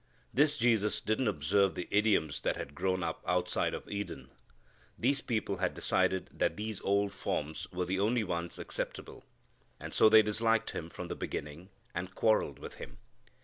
This Jesus didn't observe the idioms that had grown up outside of Eden. These people had decided that these old forms were the only ones acceptable. And so they disliked Him from the beginning, and quarrelled with Him.